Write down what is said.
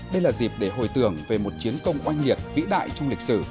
đây là dịp để hồi tưởng về một chiến công oanh liệt vĩ đại trong lịch sử